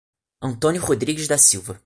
Antônio Rodrigues da Silva